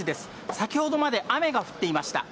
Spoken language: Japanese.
先ほどまで雨が降っていました。